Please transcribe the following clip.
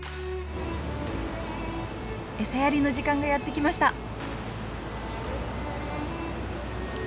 餌やりの時間がやって来ました！